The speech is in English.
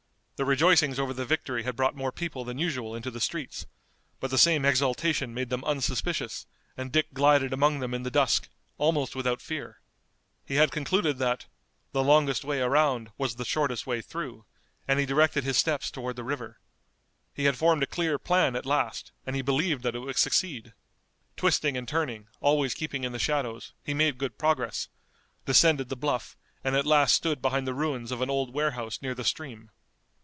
The rejoicings over the victory had brought more people than usual into the streets, but the same exultation made them unsuspicious, and Dick glided among them in the dusk, almost without fear. He had concluded that "the longest way around was the shortest way through," and he directed his steps toward the river. He had formed a clear plan at last, and he believed that it would succeed. Twisting and turning, always keeping in the shadows, he made good progress, descended the bluff, and at last stood behind the ruins of an old warehouse near the stream.